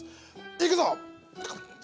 行くぞ！